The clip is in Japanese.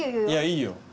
いやいいよ。